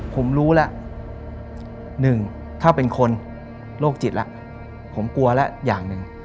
ผมรู้แล้วหนึ่งถ้าเป็นคนโรคจิตแล้วผมกลัวแล้วอย่างหนึ่ง